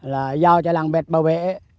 là giao cho làng bẹt bảo vệ